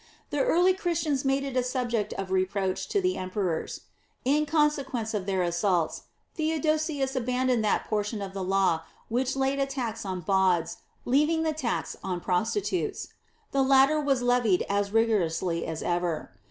The early Christians made it a subject of reproach to the emperors. In consequence of their assaults, Theodosius abandoned that portion of the law which laid a tax on bawds, leaving the tax on prostitutes. The latter was levied as rigorously as ever.